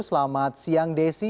selamat siang desi